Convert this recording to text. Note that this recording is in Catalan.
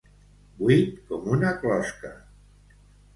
Buit com una closca.